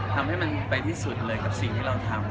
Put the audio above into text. ทำให้มันไปที่สุดเลยกับสิ่งที่เราทำ